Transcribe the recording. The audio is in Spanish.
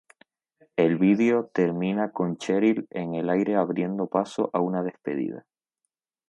El video termina con Cheryl en el aire abriendo paso a una despedida.